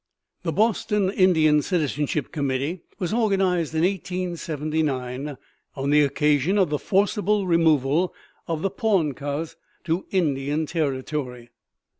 The Boston Indian Citizenship Committee was organized in 1879, on the occasion of the forcible removal of the Poncas to Indian Territory.